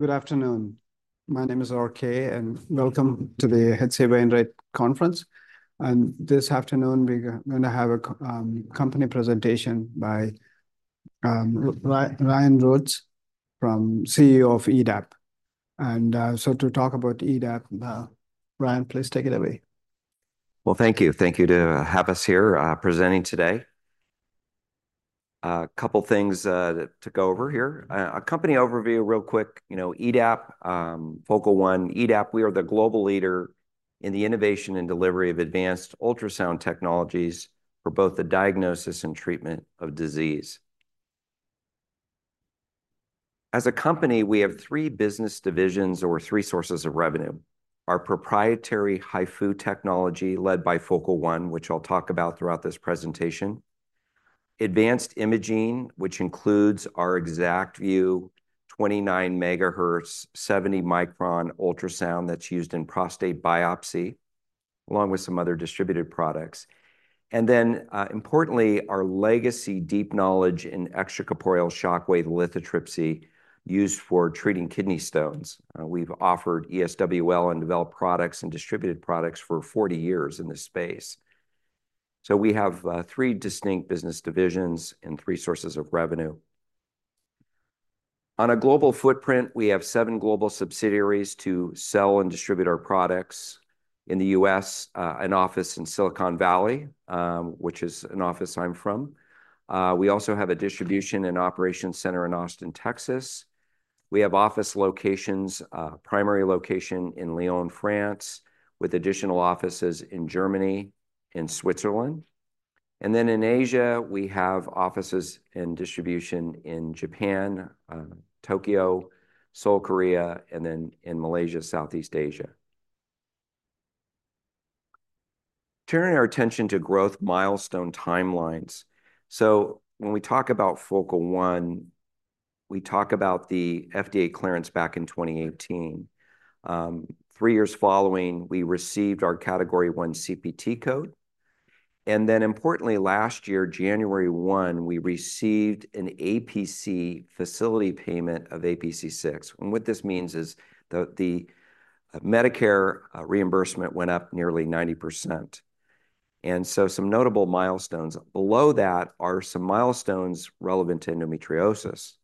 Good afternoon. My name is R. K., and welcome to the H.C. Wainwright Conference. And this afternoon, we're gonna have a company presentation by Ryan Rhodes, CEO of EDAP. And so to talk about EDAP, Ryan, please take it away. Thank you. Thank you to have us here, presenting today. A couple things to go over here. A company overview real quick, you know, EDAP, Focal One. EDAP, we are the global leader in the innovation and delivery of advanced ultrasound technologies for both the diagnosis and treatment of disease. As a company, we have three business divisions or three sources of revenue: our proprietary HIFU technology, led by Focal One, which I'll talk about throughout this presentation, advanced imaging, which includes our ExactVu twenty-nine megahertz, seventy micron ultrasound that's used in prostate biopsy, along with some other distributed products, and then, importantly, our legacy deep knowledge in extracorporeal shockwave lithotripsy, used for treating kidney stones. We've offered ESWL and developed products and distributed products for forty years in this space. So we have three distinct business divisions and three sources of revenue. On a global footprint, we have seven global subsidiaries to sell and distribute our products. In the U.S., an office in Silicon Valley, which is an office I'm from. We also have a distribution and operations center in Austin, Texas. We have office locations, primary location in Lyon, France, with additional offices in Germany and Switzerland. And then in Asia, we have offices and distribution in Japan, Tokyo, Seoul, Korea, and then in Malaysia, Southeast Asia. Turning our attention to growth milestone timelines. So when we talk about Focal One, we talk about the FDA clearance back in 2018. Three years following, we received our Category 1 CPT code, and then importantly, last year, January 1, we received an APC facility payment of APC 6. What this means is the Medicare reimbursement went up nearly 90%, and so some notable milestones. Below that are some milestones relevant to endometriosis,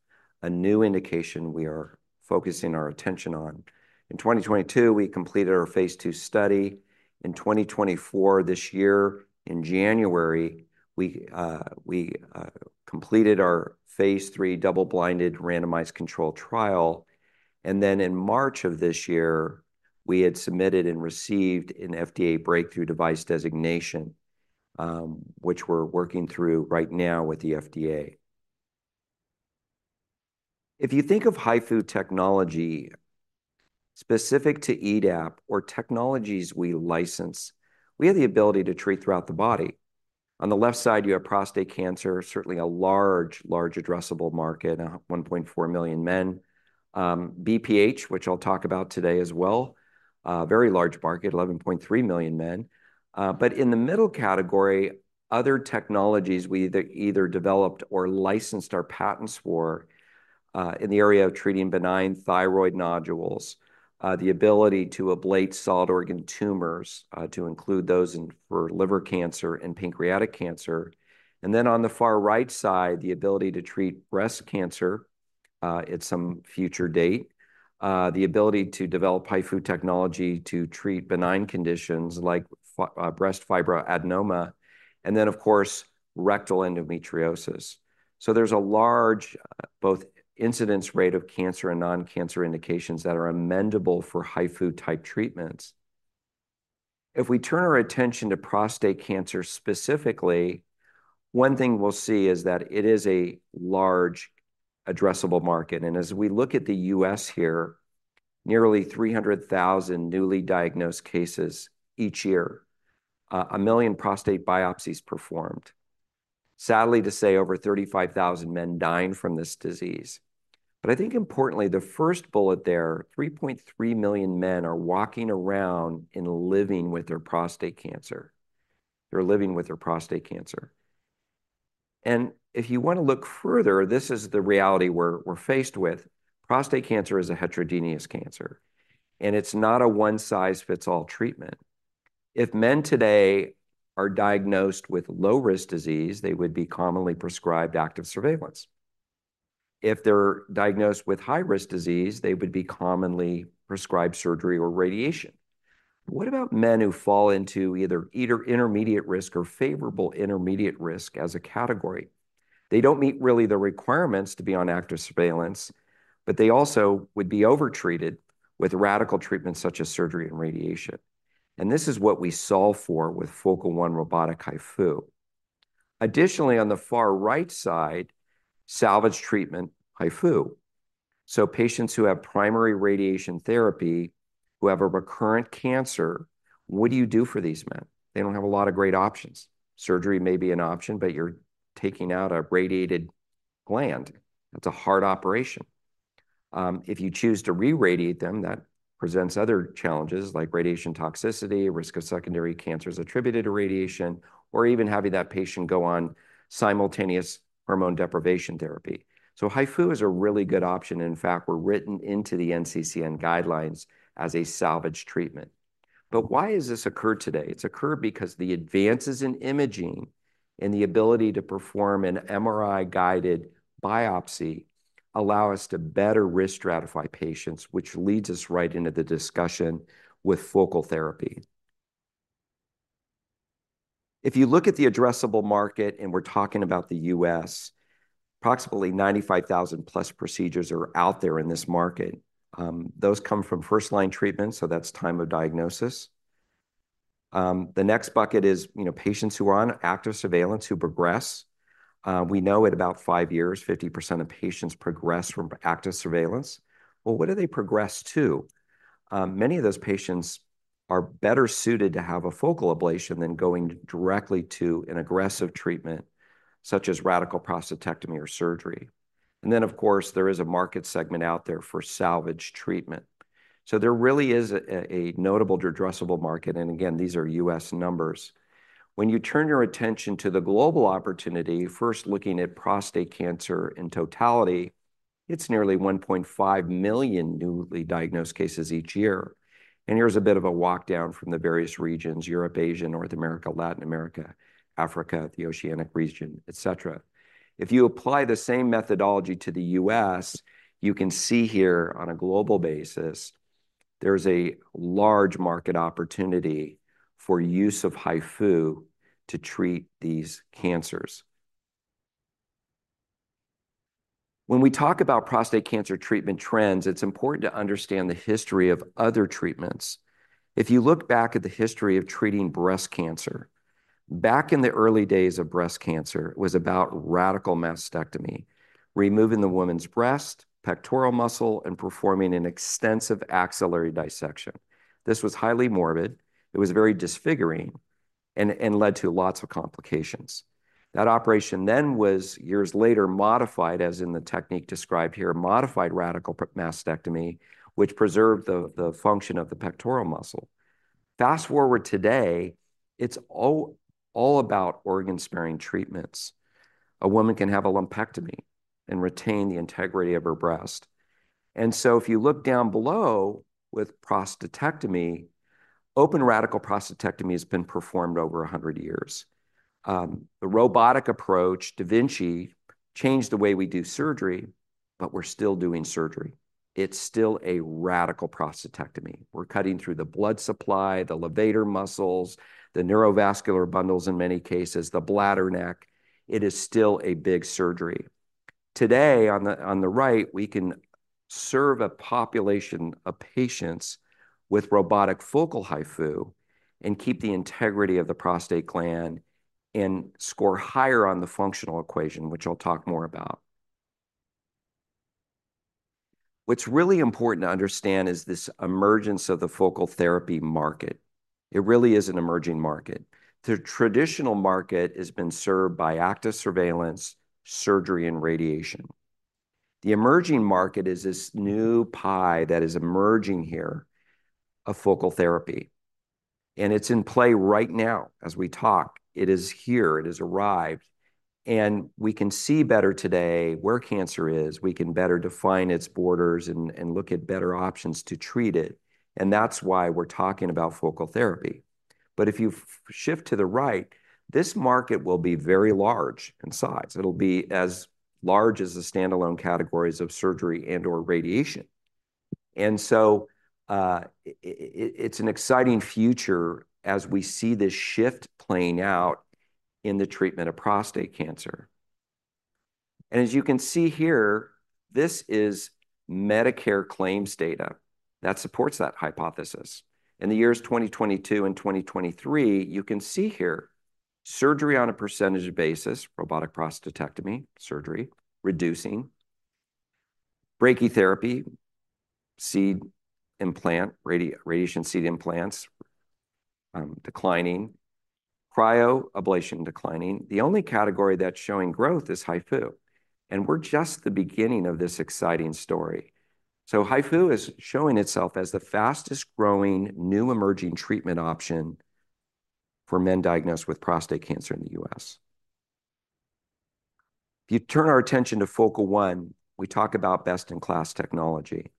a new indication we are focusing our attention on. In 2022, we completed our phase II study. In 2024, this year, in January, we completed our phase III double-blinded randomized controlled trial, and then in March of this year, we had submitted and received an FDA Breakthrough Device Designation, which we're working through right now with the FDA. If you think of HIFU technology specific to EDAP or technologies we license, we have the ability to treat throughout the body. On the left side, you have prostate cancer, certainly a large addressable market, 1.4 million men. BPH, which I'll talk about today as well, a very large market, 11.3 million men. But in the middle category, other technologies we either developed or licensed our patents for, in the area of treating benign thyroid nodules, the ability to ablate solid organ tumors, to include those in for liver cancer and pancreatic cancer. And then on the far right side, the ability to treat breast cancer, at some future date, the ability to develop HIFU technology to treat benign conditions like breast fibroadenoma, and then, of course, rectal endometriosis. So there's a large, both incidence rate of cancer and non-cancer indications that are amenable for HIFU-type treatments. If we turn our attention to prostate cancer specifically, one thing we'll see is that it is a large addressable market. And as we look at the U.S. here, nearly three hundred thousand newly diagnosed cases each year, a million prostate biopsies performed. Sadly, to say, over 35,000 men dying from this disease, but I think importantly, the first bullet there, 3.3 million men are walking around and living with their prostate cancer. They're living with their prostate cancer, and if you wanna look further, this is the reality we're faced with. Prostate cancer is a heterogeneous cancer, and it's not a one-size-fits-all treatment. If men today are diagnosed with low-risk disease, they would be commonly prescribed active surveillance. If they're diagnosed with high-risk disease, they would be commonly prescribed surgery or radiation. What about men who fall into either intermediate risk or favorable intermediate risk as a category? They don't meet really the requirements to be on active surveillance, but they also would be overtreated with radical treatments such as surgery and radiation, and this is what we solve for with Focal One robotic HIFU. Additionally, on the far right side, salvage treatment HIFU. So patients who have primary radiation therapy, who have a recurrent cancer, what do you do for these men? They don't have a lot of great options. Surgery may be an option, but you're taking out a radiated gland. That's a hard operation. If you choose to re-radiate them, that presents other challenges, like radiation toxicity, risk of secondary cancers attributed to radiation, or even having that patient go on simultaneous hormone deprivation therapy. So HIFU is a really good option, and in fact, we're written into the NCCN guidelines as a salvage treatment. But why has this occurred today? It's occurred because the advances in imaging and the ability to perform an MRI-guided biopsy allow us to better risk-stratify patients, which leads us right into the discussion with focal therapy. If you look at the addressable market, and we're talking about the U.S., approximately ninety-five thousand plus procedures are out there in this market. Those come from first-line treatment, so that's time of diagnosis. The next bucket is, you know, patients who are on active surveillance who progress. We know at about five years, 50% of patients progress from active surveillance. What do they progress to? Many of those patients are better suited to have a focal ablation than going directly to an aggressive treatment, such as radical prostatectomy or surgery, and then, of course, there is a market segment out there for salvage treatment. So there really is a notable addressable market, and again, these are U.S. numbers. When you turn your attention to the global opportunity, first looking at prostate cancer in totality, it's nearly 1.5 million newly diagnosed cases each year. And here's a bit of a walk down from the various regions: Europe, Asia, North America, Latin America, Africa, the Oceanic region, et cetera. If you apply the same methodology to the U.S., you can see here, on a global basis, there's a large market opportunity for use of HIFU to treat these cancers. When we talk about prostate cancer treatment trends, it's important to understand the history of other treatments. If you look back at the history of treating breast cancer, back in the early days of breast cancer, it was about radical mastectomy, removing the woman's breast, pectoral muscle, and performing an extensive axillary dissection. This was highly morbid, it was very disfiguring, and led to lots of complications. That operation then was, years later, modified, as in the technique described here, modified radical mastectomy, which preserved the function of the pectoral muscle. Fast-forward today, it's all about organ-sparing treatments. A woman can have a lumpectomy and retain the integrity of her breast. And so if you look down below, with prostatectomy, open radical prostatectomy has been performed over a hundred years. The robotic approach, da Vinci, changed the way we do surgery, but we're still doing surgery. It's still a radical prostatectomy. We're cutting through the blood supply, the levator muscles, the neurovascular bundles in many cases, the bladder neck. It is still a big surgery. Today, on the right, we can serve a population of patients with robotic focal HIFU and keep the integrity of the prostate gland and score higher on the functional equation, which I'll talk more about. What's really important to understand is this emergence of the focal therapy market. It really is an emerging market. The traditional market has been served by active surveillance, surgery, and radiation. The emerging market is this new pie that is emerging here of focal therapy, and it's in play right now as we talk. It is here. It has arrived, and we can see better today where cancer is. We can better define its borders and look at better options to treat it, and that's why we're talking about focal therapy. But if you shift to the right, this market will be very large in size. It'll be as large as the standalone categories of surgery and/or radiation, and so it's an exciting future as we see this shift playing out in the treatment of prostate cancer. As you can see here, this is Medicare claims data that supports that hypothesis. In the years 2022 and 2023, you can see here surgery on a percentage basis, robotic prostatectomy surgery reducing, brachytherapy seed implant, radiation seed implants declining, cryoablation declining. The only category that's showing growth is HIFU, and we're just the beginning of this exciting story. HIFU is showing itself as the fastest-growing, new, emerging treatment option for men diagnosed with prostate cancer in the U.S. If you turn our attention to Focal One, we talk about best-in-class technology,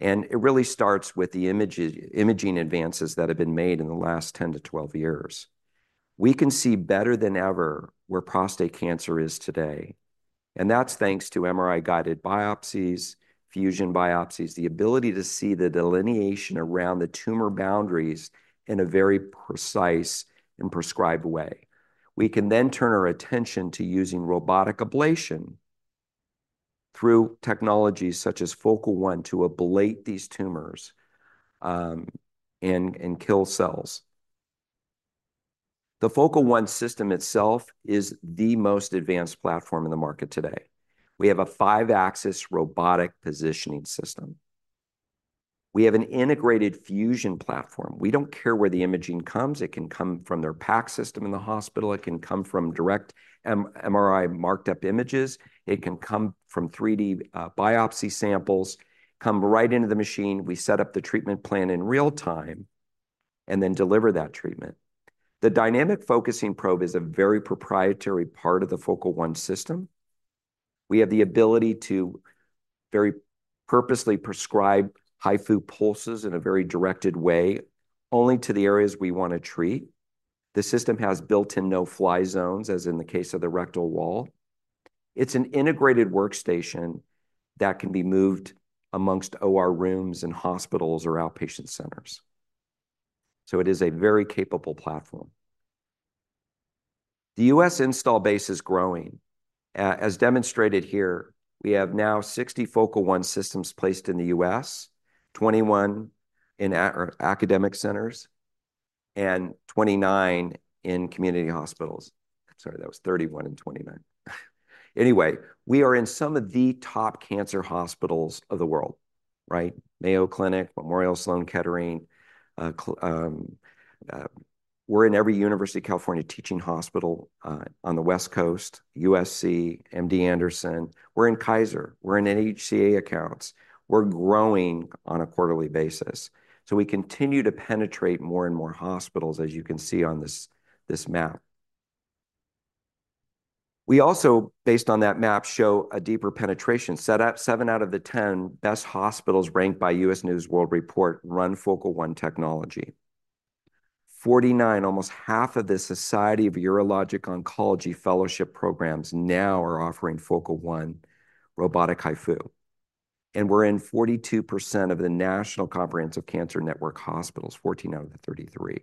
and it really starts with the images, imaging advances that have been made in the last 10 to 12 years. We can see better than ever where prostate cancer is today, and that's thanks to MRI-guided biopsies, fusion biopsies, the ability to see the delineation around the tumor boundaries in a very precise and prescribed way. We can then turn our attention to using robotic ablation through technologies such as Focal One to ablate these tumors, and kill cells. The Focal One system itself is the most advanced platform in the market today. We have a five-axis robotic positioning system. We have an integrated fusion platform. We don't care where the imaging comes. It can come from their PACS system in the hospital. It can come from direct MRI marked-up images. It can come from 3D biopsy samples, come right into the machine. We set up the treatment plan in real time and then deliver that treatment. The dynamic focusing probe is a very proprietary part of the Focal One system. We have the ability to very purposely prescribe HIFU pulses in a very directed way, only to the areas we wanna treat. The system has built-in no-fly zones, as in the case of the rectal wall. It's an integrated workstation that can be moved amongst OR rooms and hospitals or outpatient centers. So it is a very capable platform. The U.S. installed base is growing. As demonstrated here, we have now 60 Focal One systems placed in the U.S., 21 in academic centers, and 29 in community hospitals. Sorry, that was 31 and 29. Anyway, we are in some of the top cancer hospitals of the world, right? Mayo Clinic, Memorial Sloan Kettering, we're in every University of California teaching hospital, on the West Coast, USC, MD Anderson. We're in Kaiser. We're in HCA accounts. We're growing on a quarterly basis, so we continue to penetrate more and more hospitals, as you can see on this map. We also, based on that map, show a deeper penetration set up. Seven out of the 10 best hospitals ranked by U.S. News & World Report run Focal One technology. Forty-nine, almost half of the Society of Urologic Oncology fellowship programs now are offering Focal One robotic HIFU, and we're in 42% of the National Comprehensive Cancer Network hospitals, 14 out of the 33.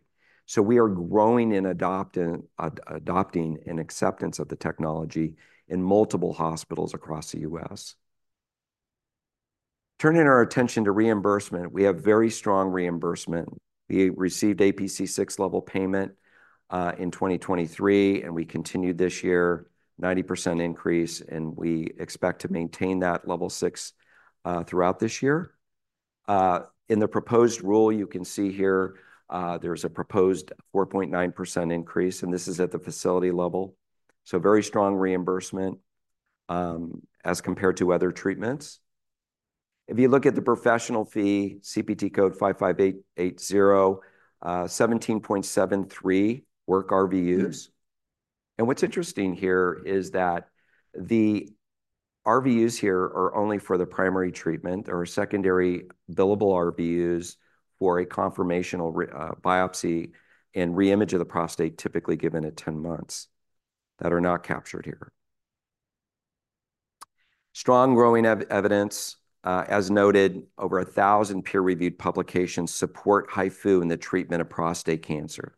So we are growing and adopting an acceptance of the technology in multiple hospitals across the US. Turning our attention to reimbursement, we have very strong reimbursement. We received APC six-level payment in 2023, and we continued this year, 90% increase, and we expect to maintain that level six throughout this year. In the proposed rule, you can see here, there's a proposed 4.9% increase, and this is at the facility level, so very strong reimbursement as compared to other treatments. If you look at the professional fee, CPT code 55880, 17.73 work RVUs. And what's interesting here is that the RVUs here are only for the primary treatment. There are secondary billable RVUs for a confirmational re-biopsy and re-image of the prostate, typically given at 10 months, that are not captured here. Strong growing evidence. As noted, over a thousand peer-reviewed publications support HIFU in the treatment of prostate cancer.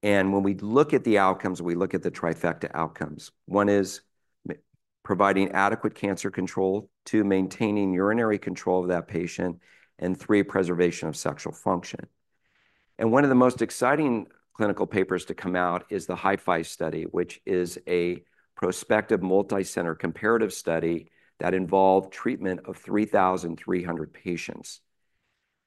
When we look at the outcomes, we look at the trifecta outcomes. One is providing adequate cancer control, two, maintaining urinary control of that patient, and three, preservation of sexual function. One of the most exciting clinical papers to come out is the HiFi Study, which is a prospective, multicenter, comparative study that involved treatment of 3,300 patients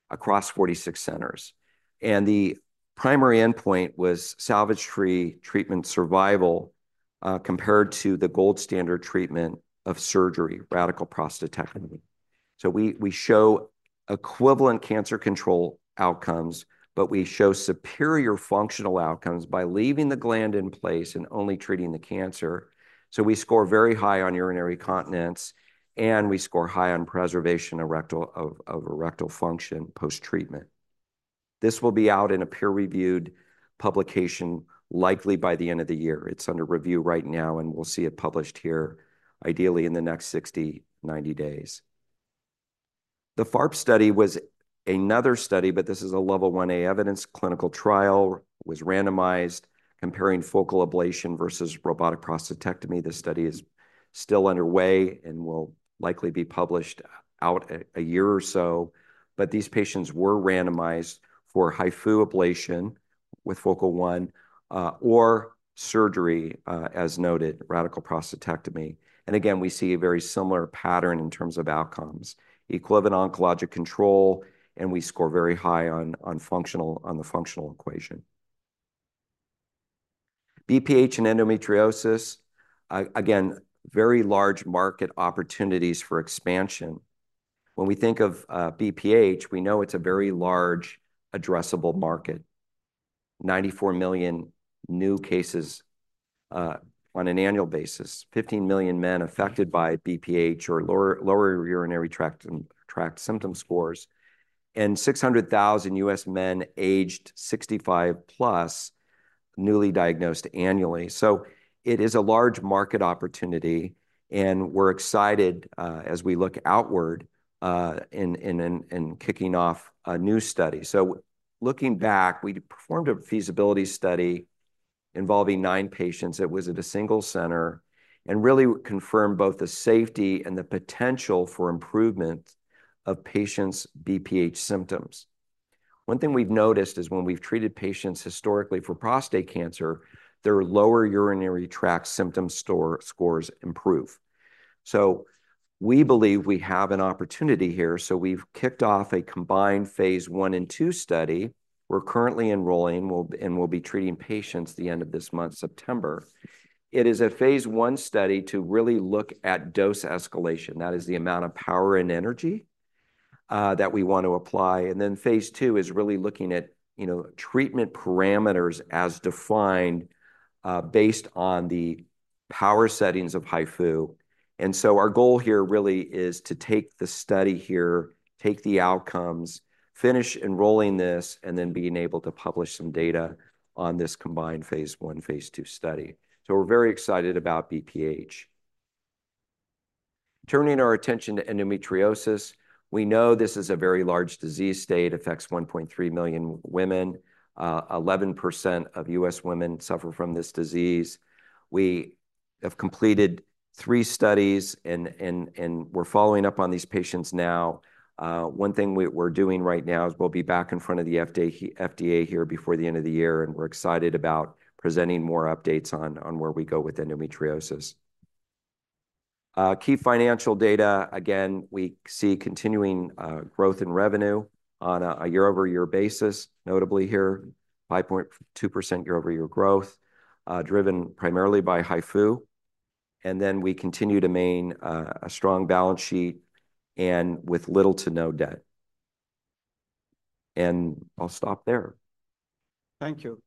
across 46 centers, and the primary endpoint was salvage free treatment survival, compared to the gold standard treatment of surgery, radical prostatectomy. We show equivalent cancer control outcomes, but we show superior functional outcomes by leaving the gland in place and only treating the cancer. We score very high on urinary continence, and we score high on preservation of erectile function post-treatment. This will be out in a peer-reviewed publication, likely by the end of the year. It's under review right now, and we'll see it published here, ideally in the next 60-90 days. The FARP Study was another study, but this is a level 1-A evidence clinical trial, was randomized, comparing focal ablation versus robotic prostatectomy. This study is still underway and will likely be published out a year or so. But these patients were randomized for HIFU ablation with Focal One, or surgery, as noted, radical prostatectomy. And again, we see a very similar pattern in terms of outcomes, equivalent oncologic control, and we score very high on the functional equation. BPH and endometriosis, again, very large market opportunities for expansion. When we think of BPH, we know it's a very large addressable market. Ninety-four million new cases on an annual basis, fifteen million men affected by BPH or lower urinary tract symptom scores, and six hundred thousand U.S. men aged sixty-five plus, newly diagnosed annually. So it is a large market opportunity, and we're excited as we look outward in kicking off a new study. So looking back, we performed a feasibility study involving nine patients. It was at a single center and really confirmed both the safety and the potential for improvement of patients' BPH symptoms. One thing we've noticed is when we've treated patients historically for prostate cancer, their lower urinary tract symptom scores improve. So we believe we have an opportunity here. So we've kicked off a combined phase one and two study. We're currently enrolling, and we'll be treating patients the end of this month, September. It is a phase 1 study to really look at dose escalation. That is the amount of power and energy that we want to apply. And then phase 2 is really looking at, you know, treatment parameters as defined based on the power settings of HIFU. And so our goal here really is to take the study here, take the outcomes, finish enrolling this, and then being able to publish some data on this combined phase 1, phase 2 study. So we're very excited about BPH. Turning our attention to endometriosis, we know this is a very large disease state, affects 1.3 million women. 11% of U.S. women suffer from this disease. We have completed three studies, and we're following up on these patients now. One thing we're doing right now is we'll be back in front of the FDA here before the end of the year, and we're excited about presenting more updates on where we go with endometriosis. Key financial data, again, we see continuing growth in revenue on a year-over-year basis, notably here, 5.2% year-over-year growth, driven primarily by HIFU, and then we continue to maintain a strong balance sheet and with little to no debt. I'll stop there. Thank you.